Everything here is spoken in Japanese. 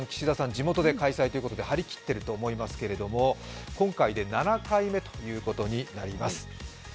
地元で開催ということで張り切っていると思いますけれども、今回で７回目ということになります